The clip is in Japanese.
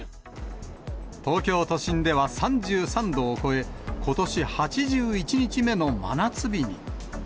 東京都心では３３度を超え、ことし８１日目の真夏日に。